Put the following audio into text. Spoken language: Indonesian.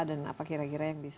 dan apa kira kira yang bisa